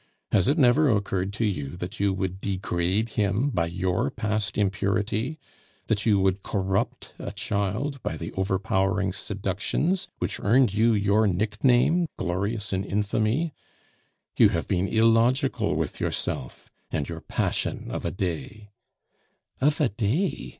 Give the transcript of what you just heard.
Has it never occurred to you that you would degrade him by your past impurity, that you would corrupt a child by the overpowering seductions which earned you your nickname glorious in infamy? You have been illogical with yourself, and your passion of a day " "Of a day?"